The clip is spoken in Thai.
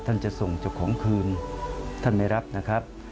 จะส่งเจ้าของคืนท่านไม่รับนะครับ